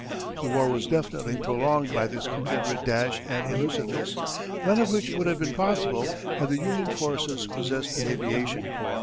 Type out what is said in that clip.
The war was definitely prolonged by this Confederate dash and elusiveness none of which would have been possible had the Union forces possessed an aviation corps.